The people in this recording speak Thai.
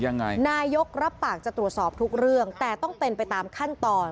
นายกรับปากจะตรวจสอบทุกเรื่องแต่ต้องเป็นไปตามขั้นตอน